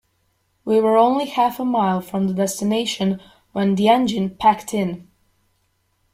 We were only half a mile from the destination when the engine packed in.